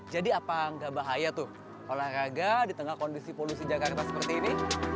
jadi apa nggak bahaya tuh olahraga di tengah kondisi polusi jakarta seperti ini